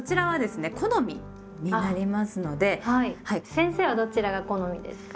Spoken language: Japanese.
先生はどちらが好みですか？